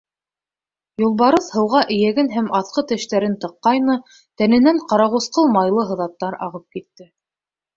Юлбарыҫ һыуға эйәген һәм аҫҡы тештәрен тыҡҡайны, тәненән ҡарағусҡыл майлы һыҙаттар ағып китте.